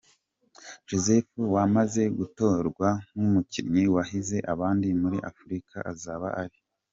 Joseph wamaze gutorwa nk’umukinnyi wahize abandi muri Afurika, azaba ari